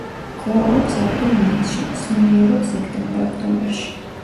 ყვავილობს აპრილ-მაისში, მსხმოიარობს სექტემბერ-ოქტომბერში.